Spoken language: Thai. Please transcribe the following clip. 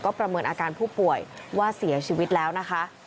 ประเมินอาการผู้ป่วยว่าเสียชีวิตแล้วนะคะ